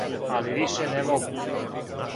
Али више не могу.